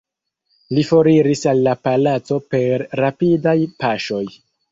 Li foriris al la palaco per rapidaj paŝoj.